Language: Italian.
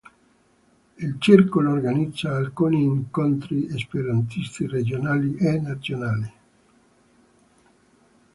Il circolo organizza alcuni incontri esperantisti regionali e nazionali.